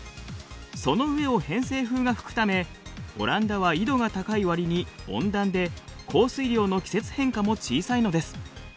その上を偏西風が吹くためオランダは緯度が高いわりに温暖で降水量の季節変化も小さいのです。